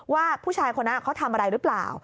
ว่าผู้ชายคนนั้นเขาทำอะไรหรือเปล่า